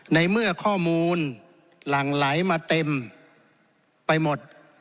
ในเมื่อข้อมูลหลั่งไหลมาเต็มไปหมด